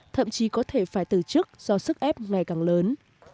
thậm chí có thể phải từ chức do sức ép ngày càng lớn